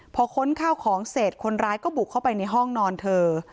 พอค้นข้าวของเสร็จคนร้ายก็บุกเข้าไปในห้องนอนเธอ